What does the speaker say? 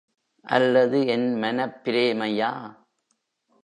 அல்லது என் மனப்பிரேமையா?